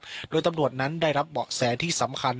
โดยตำรวจนั้นได้รับเบาะแสที่สำคัญ